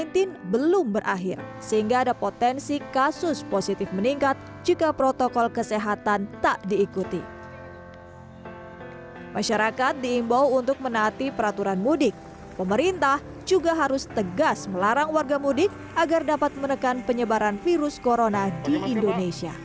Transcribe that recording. tentu jika yang bersangkutan ternyata mencoba untuk memasukkan tentu memasukkan dokumen ini tentu ada sanksi pidana terkait dengan pembangunan